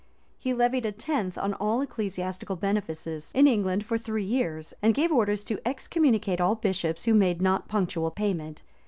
[] He levied a tenth on all ecclesiastical benefices in England for three years; and gave orders to excommunicate all bishops who made not punctual payment.